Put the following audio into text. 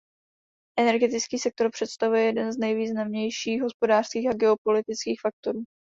Energetický sektor představuje jeden z nejvýznamnějších hospodářských a geopolitických faktorů.